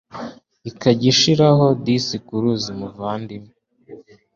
ikajya icishaho disikuru z umuvandimwe